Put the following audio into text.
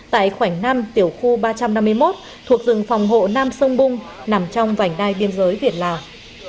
tại khoảnh năm tiểu khu ba trăm năm mươi một thuộc rừng phòng hộ nam sông bung nằm trong vành đai biên giới việt lào